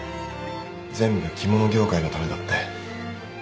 全部着物業界のためだって。